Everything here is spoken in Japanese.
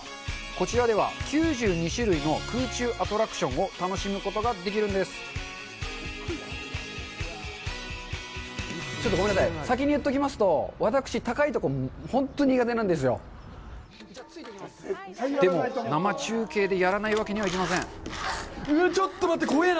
こちらでは９２種類の空中アトラクションを楽しむことができるんですちょっとごめんなさい先に言っておきますとわたくしでも生中継でやらないわけにはいきません